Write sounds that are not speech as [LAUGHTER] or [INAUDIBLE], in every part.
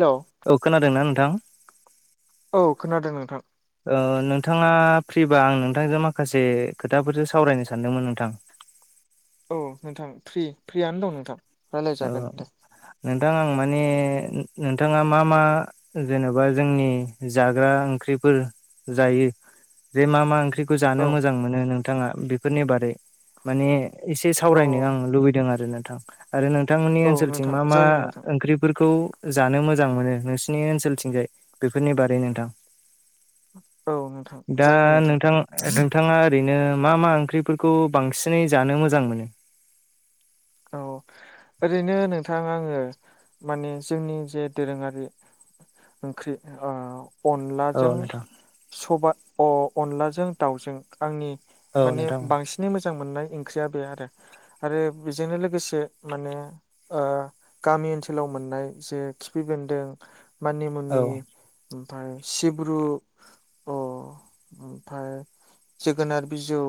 हेल' औ खोनादोंना नोंथां औ खोनादों नोंथां नोंथाङा फ्रिबा आं नोंथांजों माखासे खोथाफोरसो सावरायनो सानदोंमोन नोंथां औ नोंथां फ्रि फ्रियनो दं नोंथां औ रायलायजागोन दे नोंथां आं माने नोंथाङा मा मा जेन'बा जोंनि जाग्रा ओंख्रिफोर जायो जे मा मा ओंख्रि खौ जानो औ मोजां मोनो नोंथाङा बेफोरनि बारै माने एसे औ सावरायनो आं लुबैदों आरो नोंथां आरो नोंथांमोननि औ ओनसोलथिं नोंथां मा मा जायो नोंथां ओंख्रिफोरखौ जानो मोजां मोनो नोंसिोरनि ओनसोलथिंजाय बेफोरनि बारै नोंथां औ नोंथां जायो नोंथां नोंथाङा ओरैनो मा मा ओंख्रिफोरखौ बांसिनै जानो मोजां मोनो औ ओरैनो नोंथां आङो माने जोंनि जे दोरोङारि ओंख्रि औ अनलाजों नोंथां सबाइ अ अनलाजों दाउजों आंनि औ माने नोंथां बांसिनै मोजां मोननाय ओंख्रिया बे आरो आरो बेजोंनो लोगोसे माने ओ गामि ओनसोलाव मोननाय जे खिफि बेन्दों, मानि औ मुनि, ओमफ्राय सिब्रु अ ओमफ्राय जोगोनार बिजौ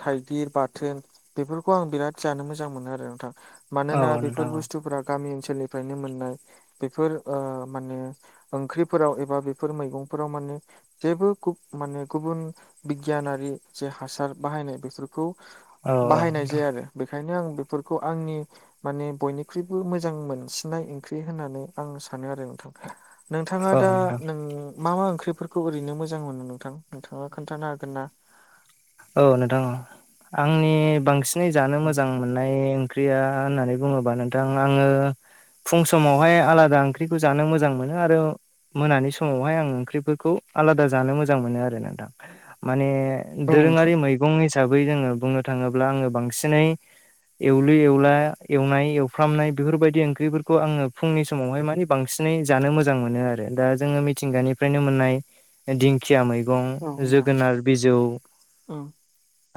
थाइगिर बाथोन बेफोरखौ आं बिराद जानो मोजां मोनो आरो नोंथां मानोना औ नोंथां बेफोर औ बुस्थुफ्रा गामि ओनसोलनिफ्रायनो मोननाय। बेफोर ओ माने ओंख्रिफोराव एबा बेफोर मैगंफोराव माने जेबो माने गुबुन बिगियानारि जे हासार बाहायनाय बेफोर खौ औ बाहायनाय नोंथां जाया आरो बेखायनो आं बेफोरखौ आंनि माने बयनिख्रुइबो मोजां मोनसिननाय ओंख्रि होननानै आं सानो आरो नोंथां। नोंथाङा औ दा नोंथां नों मा मा ओंख्रिफोरखौ ओरैनो मोजां मोनो नोंथां नोंथाङा खोन्थानो हागोन ना? औ नोंथां औ आंनि बांसिनै जानो औ मोजां नाय ओंख्रिया होननानै बुङोबा नोंथां आङो फुं समावहाय आलादा ओंख्रिखौ जानो मोजां मोनो आरो मोनानि समावहाय आं ओंख्रिफोरखौ आलादा जानो मोजां मोनो आरो नोंथां माने नोंथां दोरोङारि मैगं हिसाबै जोङो बुंनो थाङोब्ला आङो बांसिनै एवलु एवला एवनाय एवफ्रामनाय बेफोरबायदि ओंख्रिफोरखौ आङो फुंनि समावहाय माने बांसिनै जानो मोजां मोनो आरो दा जोङो मिथिंगानिफ्रायनो मोननाय दिंखिया मैगं, औ नोंथां जोगोनार बिजौ औ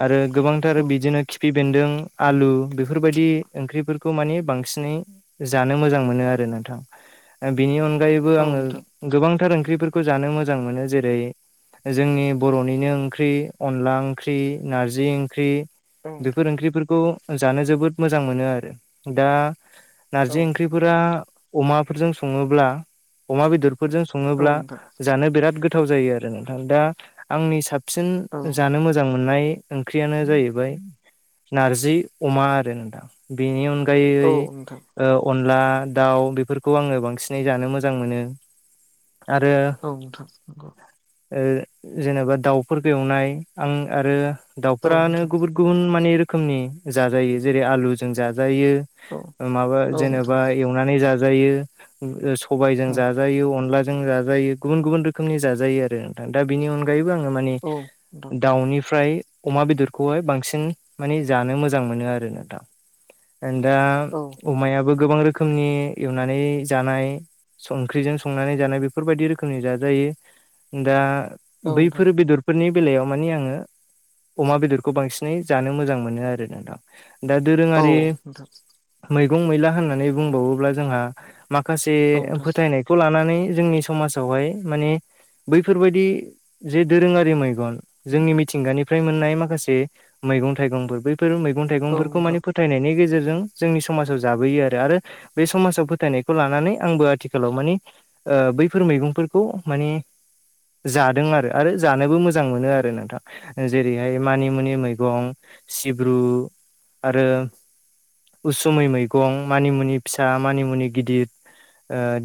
आरो गोबांथार औ बिदिनो खिफि बेन्दों, आलु बेफोरबायदि ओंख्रिफोरखौ माने बांसिनै जानो मोजां मोनो आरो नोंथां ओ बिनि अनगायैबो औ आङो नोंथां गोबांथार ओंख्रिफोरखौ जानो मोजां मोनो जेरै जोंनि बर'निनो ओंख्रि अनला ओंख्रि, नारजि ओंख्रि औ नोंथां बेफोर ओंख्रिफोरखौ जानो जोबोद मोजां मोनो आरो दा औ नारजि ओंख्रिफोरा नोंथां अमाफोरजों सङोब्ला अमा बेदरफोरजों औ सङोब्ला नोंथां जानो बिराद गोथाव जायो आरो नोंथां दा आंनि साबसिन औ जानो मोजां मोननाय ओंख्रियानो जाहैबाय नारजि, अमा आरो नोंथां बेनि औ अनगायै नोंथां ओ अनला दाउ बेफोरखौ आङो बांसिनै जानो मोजां मोनो। आरो औ नोंथां नंगौ ओ जेनेबा दाउफोरखो एवनाय आं आरो औ दाउफोरानो नोंथां गुबुन गुबुन मानि रोखोमनि जाजायो जेरै आलुजों जाजायो। औ माबा औ नोंथां जेनेबा एवनानै जाजायो सबायजों उम जा जाजायो अनलाजों जाजायो गुबुन गुबुन रोखोमनि जाजायो आरो नोंथां दा बिनि अनगायैबो आङो माने औ नोंथां दाउनिफ्राय अमा बेदरखौहाय बांसिन माने जानो मोजां मोनो आरो नोंथां। दा औ नोंथां अमायाबो गोबां रोखोमनि एवनानै जानाय संख्रिजों संनानै जानाय बेफोरबायदि रोखोमनि जाजायो दा औ नोंथां बैफोर बेदरफोरनि बेलायाव माने आङो अमा बेदरखौ बांसिनै जानो मोजां मोनो आरो नोंथां दा औ दोरोङारि मैगं मैला होननानै बुंबावोब्ला जोंहा माखासे फोथायनाय खौ लानानै जोंनि समाजावहाय माने बैफोरबायदि जे दोरोङारि मैगन जोंनि मिथिंगानिफ्राय मोननाय माखासे मैगं थाइगंफोर बै फोर मैगं थाइगंफोरखौ नोंथां माने फोथायनायनि गेजेरजों जोंनि समाजाव जाबोयो आरो आरो बे समाजाव फोथायनायखौ लानानै आंबो आथिखालाव माने बैफोर मैगंफोरखौ माने जादों आरो आरो जानोबो मोजां मोनो आरो नोंथां जेरैहाय मानि मुनि मैगं सिब्रु आरो उसुमै मैगं मानिमुनि फिसा मानिमुनि गिदिर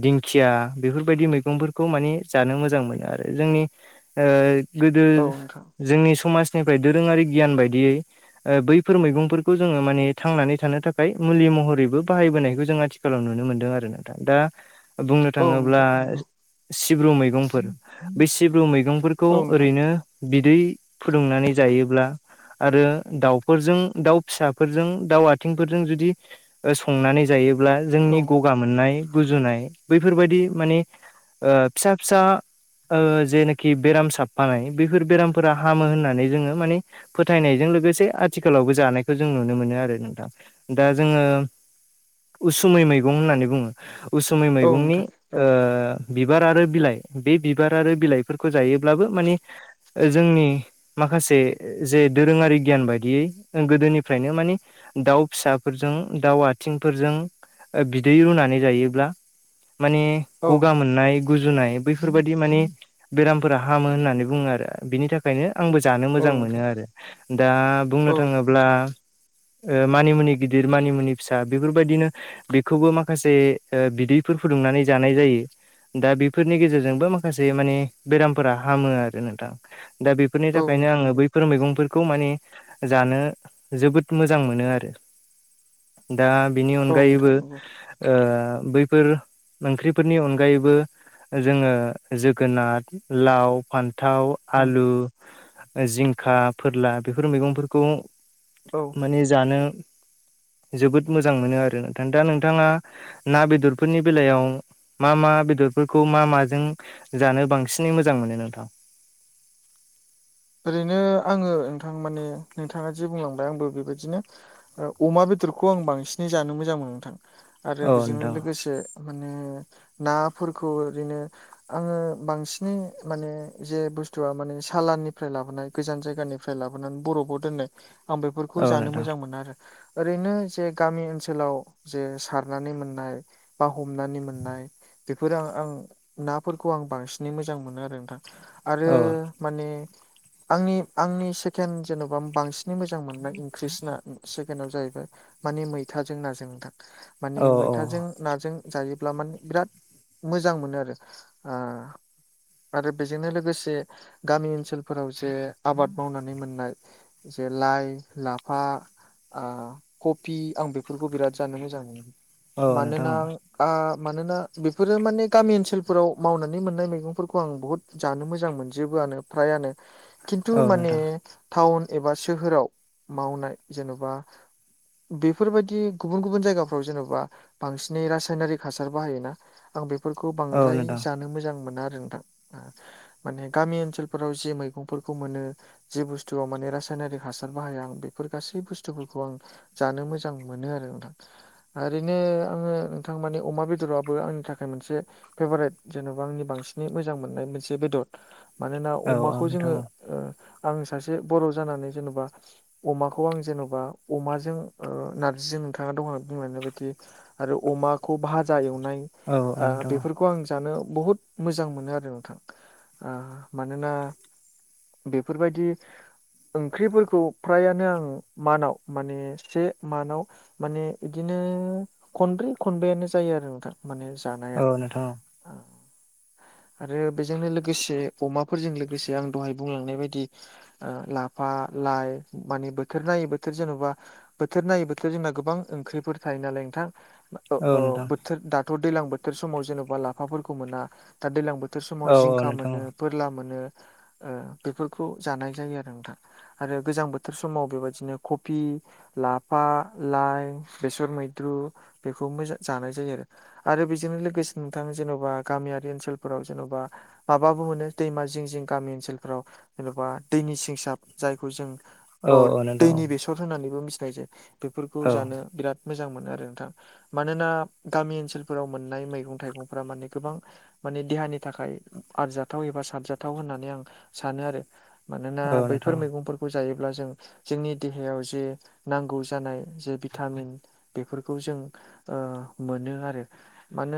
दिंखिया बेफोरबायदि मैगंफोरखौ माने जानो मोजां मोनो आरो जोंनि ओ गोदो औ नोंथां जोंनि समाजनिफ्राय दोरोंङारि गियान बायदियै ओ बैफोर मैगंफोरखौ जोंङो माने थांनानै थानो थाखाय मुलि महरैबो बाहायबोनायखौ जों आथि खालाव नुनो मोनदों आरो नोंथां दा बुंनो औ नोंथां औ नोंथां औ थांङोब्ला नोंथां नंगौ सिब्रु मैगंफोर बे सिब्रु मैगंफोरखौ औ नोंथां ओरैनो बिदै फुदुंनानै जायोब्ला आरो दाउफोरजों दाउ फिसाफोरजों दाउ आथिंफोरजों जुदि संनानै जायोब्ला औ जोंनि गगा मोननाय गुजुनाय बैफोर बायदि माने ओ फिसा फिसा जेनाखि बेराम साबफानाय बेफोर बेरामफोरा हामो होननानै जोंङो माने फोथायनायजों लोगोसे आथिखालावबो जानायखौ जों नुनो मोनो आरो नोंथां दा जोंङो उसुमै मैगं होननानै बुङो उसुमै औ मैगंनि नोंथां औ ओ बिबार आरो बिलाइ बे बिबार आरो बिलाइफोरखौ जायोब्लाबो माने जोंनि माखासे जे दोरोङारि गियान बायदियै गोदोनिफ्रायनो माने दाउ फिसाफोरजों दाउ आथिंफोरजों बिदै रुनानै जायोब्ला माने औ गगा मोननाय गुजुनाय बैफोर बायदि माने बेरामफोरा हामो होननानै बुंङो आरो बिनि थाख खायनो आंबो जानो औ मोजां नोंथां मोनो आरो दा औ बुंनो थांङोब्ला नोंथां मानिमुनि गिदिर मानिमुनि फिसा बेफोरबायदिनो बेखौबो माखासे बिदैफोर फुदुंनानै जानाय जायो। दा बेफोरनि गेजेरजोंबो माखासे माने बेरामफोरा हामो आरो नोंथां दा बेफोरनि औ थाखायनो नोंथां आंङो नंगौ बैफोर मैगंफोरखौ बेखौ माने जानो जोबोद मोजां मोनो आरो दा बिनि औ अनगायैबो नोंथां नंगौ बैफोर ओंख्रिफोरनि अनगायैबो जोंङो जोगोनार लाव फान न्थाव उम आलु जिंखा फोरला बेफोर मैगंफोरखौ औ माने जानो जोबोद मोजां मोनो आरो नोंथां दा नोंथांङा ना बेदरफोरनि बेलायाव मा मा बेदरफोरखौ मा माजों जानो बांसिनै मोजां मोनो नोंथां ओरैनो आंङो नोंथां माने नोंथाङा जि बुंलांबाय आंबो बेबायदिनो अमा बेदरखौ आं बांसिनै जानो मोजां मोनो नोंथां आरो औ बेजोंनो नोंथां लोगोसे माने नाफोरखौ ओरैनो आंङो बांसिनै माने जे बुस्थुवा माने सालानि फ्राय लाबोनाय गोजान जायगानिफ्राय लाबोनानै बरफआव दोननाय आं बेफोरखौ औ जानो नोंथां मोजां मोनो आरो ओरैनो जे गामि ओनसोलाव जे सारनानै मोननाय बा हमनानै मोननाय बेफोरो आं नाफोरखौ आं बांसिनै मोजां मोनो आरो नोंथां आरो औ माने [INAUDIBLE] आंनि आंनि सेकेणड जेन'बा बांसिनै मोजां मोननाय ओंख्रिसिना सेकेण्डआव जाहैबाय माने मैथाजों नाजों नोंथां औ माने मैथाजों नाजों जायोब्ला माने बिराद मोजां मोनो आरो आरो बेजोंनो लोगोसे गामि ओनसोलफोराव जे आबाद मावनानै मोननाय जे लाइ लाफा ओ कफि आं बेफोरखौ बिराद जानो मोजां मोनो औ नोंथां मानोना मानोना बेफोरो माने गामि ओनसोलफोराव मावनानै मोननाय मैगंफोरखौ आं बुहुद जानो मोजां मोनजोबोआनो फ्रायआनो खिन्थु औ माने नोंथां टाउन एबा सोहोराव मावनाय जेन'बा बेफोरबायदि गुबुन गुबुन जायगाफ्राव जेन'बा बांसिनै रासायनारिक हासार बाहायोना आं बेफोरखौ औ बांद्राय नोंथां जानो मोजां मोना आरो नोंथां माने गामि ओनसोलफोराव जे मैगंफोरखौ मोनो जि बुस्थुआव माने रासायनारिक हासार बाहाया आं बेफोर गासै बुस्थुफोरखौ आं जानो मोजां मोनो आरो नोंथां ओरैनो आङो नोंथां मानि अमा बेदराबो आंनि थाखाय मोनसे फेभरेट जेन'बा आंनि बांसिनै मोजां मोननाय मोनसे बेदर मानोना औ औ नोंथां औ अमाखौ नोंथां जोङो आं सासे बर' जानानै जेन'बा अमाखौ आं जेन'बा अमाजों नारजिजों नोंथाङा दहाय बुंलांनाय बायदि आरो अमाखौ भाजा एवनाय बेफोरखौ खौ आं जानो बुहुत मोजां मोनो आरो नोंथां मानोना बेफोरबायदि ओंख्रिफोरखौ फ्रायानो आङो मानाव माने से मानाव माने बिदिनो खनब्रै खनबायानो जायो आरो नोंथां माने औ जानाया नोंथां औ नोंथां आरो बेजोंनो लोगोसे अमाफोरजों लोगोसे आं दहाय बुंलांनाय बायदि लाफा लाइ मानि बोथोर नायै बोथोर जेन'बा बोथोर नायै बोथोर जोंना गोबां ओंख्रिफोर थायो नालाय नोंथां औ औ नोंथां औ नोंथां औ नोंथां बोथोर दाथ' दैज्लां बोथोर समाव जेन'बा लाफाफोरखौ मोना दा दैज्लां बोथोर समाव औ औ जिंखा नोंथां मोनो फोरला मोनो बेफोरखौ जानाय जायो आरो नोंथां आरो गोजां बोथोर समाव बेबायदिनो कफि लाफा लाइ बेसर मैद्रु बेखौ मो जानाय जायो आरो आरो बेजोंनो लोगोसे नोंथा जेन'बा गामियारि ओनसोलफोराव जेन'बा माबाबो मोनो दैमा जिं जिं गामि ओनसोलफ्राव जेन'बा दैनि सिंसाब जायखौ जों दैनि बेसर होननानैबो मिथिनाय जायो बेफोरखौ जानो बिराद मोजां मोनो आरो नोंथां मानोना गामि ओनसोलफोराव मोननाय मैगं थाइगंफोरा माने गोबां माने देहानि थाखाय आरजाथाव एबा साबजाथाव होननानै होननानै आं सानो आरो मानोना बैफोर मैगंफोर खौ जायोब्ला जों जोंनि देहायाव जे नांगौ जानाय जे भिटामिन बेफोरखौ जों मोनो आरो मानो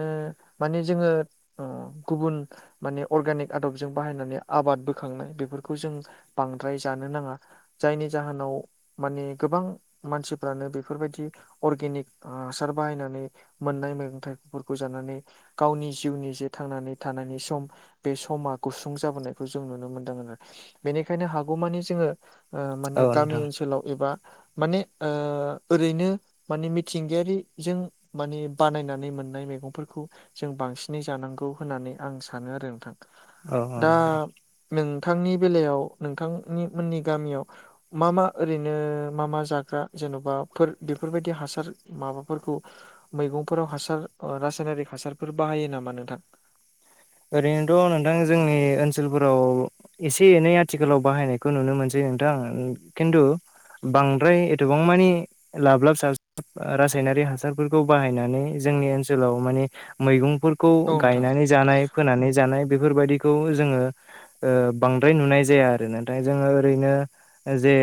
माने जोङो गुबुन माने अर्गेनिक आदबजों बाहायनानै आबाद बोखांनाय बेफोरखौ जों बांद्राय जानो नाङा जायनि जाहोनाव माने गोबां मानसिफ्रानो बेफोरबायदि अर्गेनिक हासार बाहायनानै मोननाय मैगं थाइगंफोरखौ जानानै गावनि जिउनि जे थांनानै थानायनि सम बे समा गुसुं जाबोनायखौ जों नुनो मोनदों आरो बेनिखायनो हागौमानि जोङो माने गामि ओनसोलाव एबा माने ओरैनो माने मिथिंगायारिजों माने बानायनानै मोननाय मैगंफोरखौ जों बांसिनै जानांगौ होननानै आं सानो आरो नोंथां औ औ दा नोंथां नोंथांनि बेलायाव नोंथांनि मोननि गामियाव मा मा ओरैनो मा मा जाग्रा जेन'बा बेफोरबायदि हासार माबाफोरखौ मैगंफोराव हासार रासायनारिक हासारफोर बाहायो नामा नोंथां ओरैनोथ' नोंथां जोंनि ओनसोलफोराव एसे एनै आथिखालाव बाहायनायखौ नुनो मोनसै नोंथां खिन्थु बांद्राय एथबां मानि लाब्लाब साब्लाब रासायनारि हासारफोरखौ बाहायनानै जोंनि ओनसोलाव माने मैगंफोरखौ औ नोंथां गायनानै जानाय फोनानै जानाय बेफोरबायदिखौ जोङो बांद्राय नुनाय जाया आरो नाथाय जोङो ओरैनो जे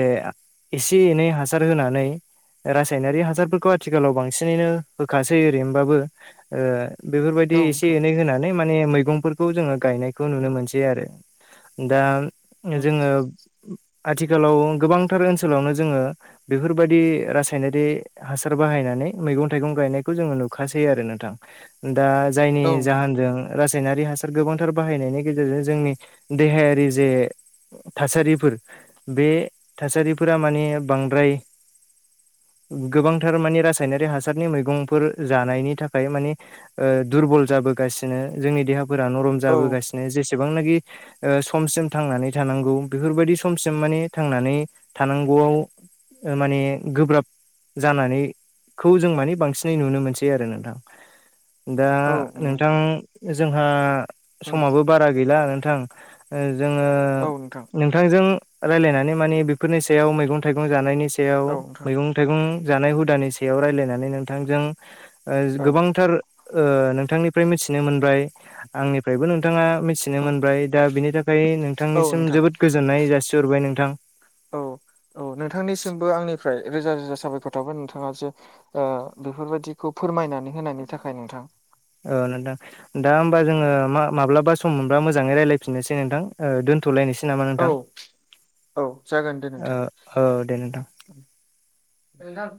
एसे एनै हासार होनानै रासायनारि हासारफोरखौ आथिखालाव बांसिनैनो होखासै ओरैनोबाबो बेफोरबायदि एसे एनै होनानै माने मैगंफोरखौ जोङो गायनायखौ नुनो मोनसै आरो दा औ जोङो आथिखालाव गोबांथार ओनसोलावनो जोङो बेफोरबायदि रासायनारि हासार बाहायनानै मैगं थाइगं गायनायखौ जोङो नुखासै आरो नोंथां दा जायनि नोंथां जाहोनजों रासायनारि हासार गोबांथार बाहायनायनि गेजेरजों जोंनि देहायारि जे थासारिफोर बे थासारिफोरा माने बांद्राय गोबांथार मानि रासायनारि हासारनि मैगंफोर जानायनि थाखाय मानि दुरबल जाबोगासिनो जोंनि देहाफोरा नरम औ नोंथां औ जाबोगासिनो जेसेबांनाखि समसिम थांनानै थानांगौ बेफोरबायदि समसिम माने थांनानै थानांगौआव माने गोब्राब जानानैखौ जों माने बांसिनै नुनो मोनसै आरो नोंथां दा औ नंगौ नोंथां जोंहा नोंथां समाबो बारा गैला नोंथां जोङो औ नोंथां नोंथांजों रायलायनानै मानि बेफोरनि सायाव मैगं थाइगं जानायनि सायाव औ सायाव नोंथां मैगं थाइगं जानाय हुदानि सायाव रायलायनानै नोंथांजों औ गोबांथार नोंथांनिफ्राय मिथिनो मोनबाय आंनिफ्रायबो नोंथाङा मिथि मिथिनो मोनबाय दा बिनि थाखाय औ नोंथांनिसिम नोंथां जोबोद गोजोननाय जासिहरबाय नोंथां औ औ नोंथांनिसिमबो आंनिफ्राय रोजा रोजा साबायखर थाबाय नोंथाङा जे बेफोरबायदिखौ फोरमायनानै होनायनि थाखाय नोंथां औ नोंथां दा होमबा जोङो मा माब्लाबा सम मोनबा मोजाङै रायलायफिननोसै नोंथां दोन्थ'लायनोसै नामा औ नोंथां औ जागोन दे औ दे नोंथां नोंथां